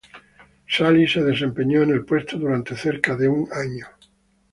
Sally se desempeñó en el puesto durante cerca de un año.